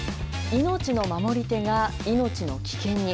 命の守り手が命の危険に。